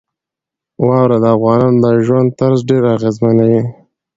واوره د افغانانو د ژوند طرز ډېر اغېزمنوي.